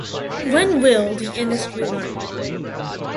When will the industry learn?